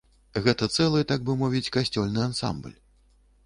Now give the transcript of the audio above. Гэта цэлы, так бы мовіць, касцёльны ансамбль.